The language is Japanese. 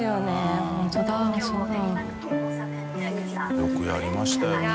茲やりましたよね。